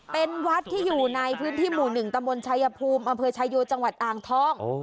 เป็นวัดที่อยู่ในพื้นที่หมู่๑ตะมนต์ชายภูมิอำเภอชายโยจังหวัดอ่างทอง